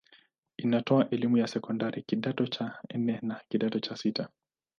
Inatoa elimu ya sekondari kidato cha nne na kidato cha sita.